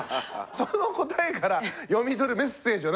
その答えから読み取るメッセージはなんですか？